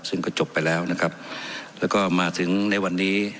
ซึ่งก็จบไปแล้วนะครับแล้วก็มาถึงในวันนี้